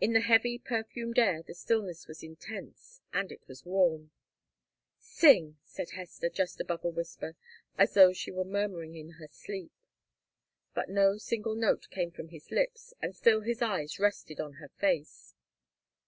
In the heavy, perfumed air the stillness was intense, and it was warm. "Sing," said Hester, just above a whisper, as though she were murmuring in her sleep. But still no single note came from his lips, and still his eyes rested on her face.